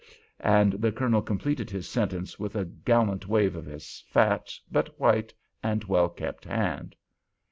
And the Colonel completed his sentence with a gallant wave of his fat but white and well kept hand.